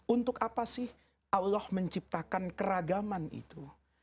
untuk apa sih allah menciptakan keragaman itu